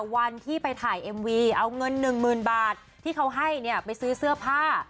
วันที่ไปถ่ายเอ็มวีเอาเงินหนึ่งหมื่นบาทที่เขาให้เนี่ยไปซื้อเสื้อผ้า